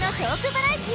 バラエティ